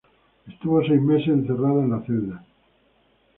Estuvo seis meses encerrada en la celda.